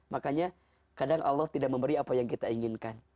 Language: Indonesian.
makanya kadang allah tidak memberi apa yang kita inginkan